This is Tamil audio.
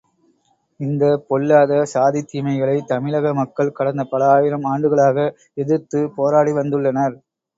இந்தப் பொல்லாத சாதித் தீமைகளைத் தமிழக மக்கள் கடந்த பல ஆயிரம் ஆண்டுகளாக எதிர்த்துப் போராடி வந்துள்ளனர்.